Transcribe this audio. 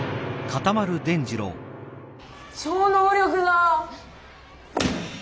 超能力だ！